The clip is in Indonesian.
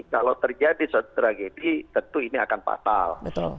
kalau terjadi satu tragedi tentu ini akan patah